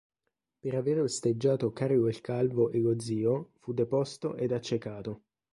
Per avere osteggiato Carlo il Calvo e lo zio, fu deposto ed accecato.